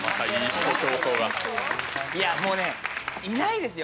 もうね、いないですよ。